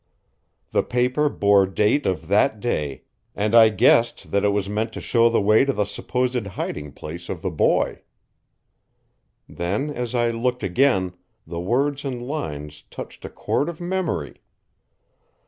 The paper bore date of that day, and I guessed that it was meant to show the way to the supposed hiding place of the boy. Then, as I looked again, the words and lines touched a cord of memory.